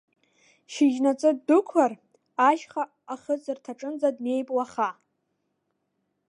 Шьыжьнаҵы ддәықәлар, ашьха ахыҵырҭаҿынӡа днеип уаха.